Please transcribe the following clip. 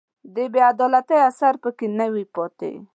د بې عدالتۍ اثر په کې نه وي پاتې